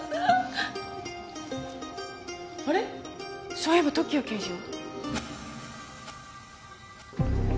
そういえば時矢刑事は？